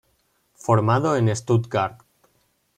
Formado en Stuttgart.